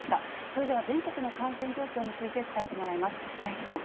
それでは、全国の感染状況について伝えてもらいます。